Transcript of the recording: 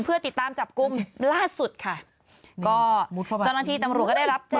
เพื่อติดตามจับกลุ่มล่าสุดค่ะก็เจ้าหน้าที่ตำรวจก็ได้รับแจ้ง